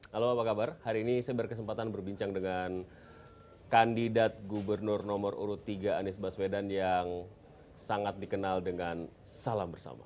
halo apa kabar hari ini saya berkesempatan berbincang dengan kandidat gubernur nomor urut tiga anies baswedan yang sangat dikenal dengan salam bersama